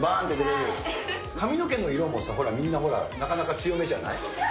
髪の毛の色もさ、みんなほら、なかなか強めじゃない？